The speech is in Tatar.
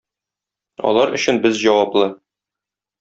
Алар өчен без җаваплы.